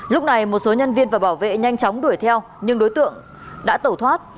lúc này một số nhân viên và bảo vệ nhanh chóng đuổi theo nhưng đối tượng đã tẩu thoát